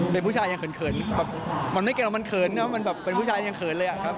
เป็นผู้ชายยังเขินเขินมันไม่เก่งว่ามันเขินมันเป็นผู้ชายยังเขินเลยครับ